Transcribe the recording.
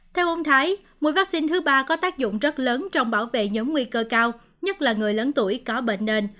theo ông thái mũi vaccine thứ ba có tác dụng rất lớn trong bảo vệ nhóm nguy cơ cao nhất là người lớn tuổi có bệnh nền